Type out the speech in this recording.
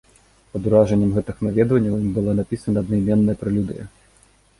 Пад уражаннем гэтых наведванняў ім была напісана аднайменная прэлюдыя.